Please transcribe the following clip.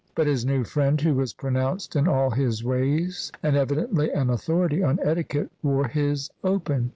But his new friend, who was pronounced in all his ways and evidently an authority on etiquette, wore his open.